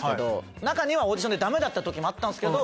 中にはオーディションでダメだった時もあったんですけど。